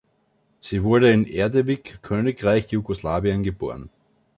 Sie wurde in Erdevik, Königreich Jugoslawien, geboren.